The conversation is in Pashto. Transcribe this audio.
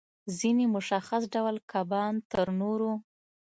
ځینې مشخص ډول کبان تر نورو